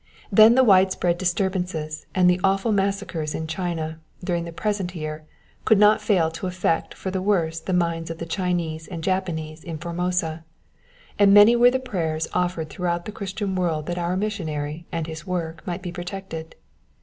Then the wide spread disturbances and the awful massacres in China, during the present year, could not fail to affect for the worse the minds of the Chinese and Japanese in Formosa; and many were the prayers offered throughout the Christian world that our missionary and his work might be protected.